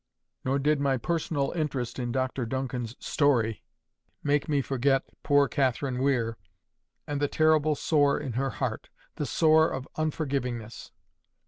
Nor did my personal interest in Dr Duncan's story make me forget poor Catherine Weir and the terrible sore in her heart, the sore of unforgivingness.